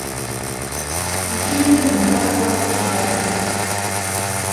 Die Schulen im Ort wurden geschlossen.